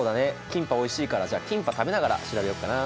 キンパおいしいからじゃあキンパ食べながら調べようかな。